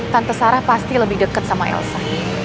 tante sarah pasti lebih dekat sama elsa